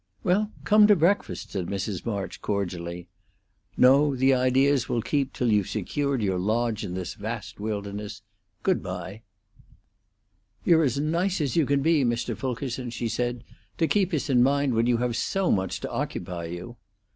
"Well, come to breakfast," said Mrs. March, cordially. "No; the ideas will keep till you've secured your lodge in this vast wilderness. Good bye." "You're as nice as you can be, Mr. Fulkerson," she said, "to keep us in mind when you have so much to occupy you."